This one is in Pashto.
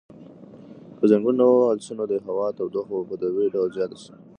که ځنګلونه ووهل شي نو د هوا تودوخه به په طبیعي ډول زیاته شي.